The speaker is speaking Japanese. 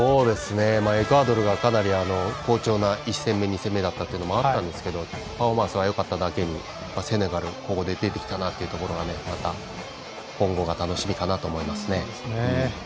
エクアドルがかなり好調な１戦目２戦目だったというのもあったんですけどパフォーマンスがよかっただけにセネガル、ここで出てきたなっていうところがまた今後が楽しみかなと思いますね。